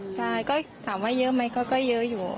ใช่ก็ถามว่าเยอะไหมก็เยอะอยู่